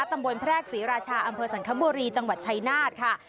แพรกศรีราชาอำเภอสังคบุรีจังหวัดชัยนาธค่ะ